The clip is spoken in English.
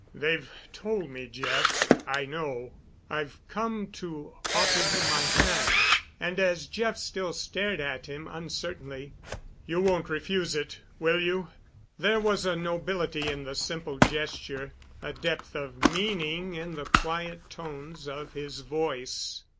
"They've told me, Jeff. I know. I've come to offer you my hand." And, as Jeff still stared at him uncertainly, "You won't refuse it, will you!" There was a nobility in the simple gesture, a depth of meaning in the quiet tones of his voice.